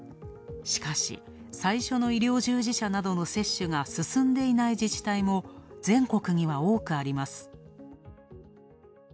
しかし、最初の医療従事者の接種が進んでいない自治体も全国には多くあります。